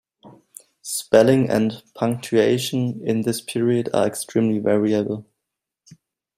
Spelling and punctuation in this period are extremely variable.